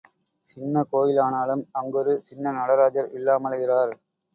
சின்னக் கோயிலானாலும் அங்கொரு சின்ன நடராஜர் இல்லாமல் இரார்.